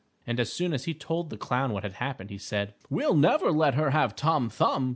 And as soon as he told the clown what had happened, he said: "We'll never let her have Tom Thumb.